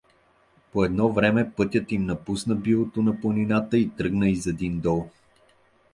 По едно време пътят им напусна билото на планината и тръгна из един дол.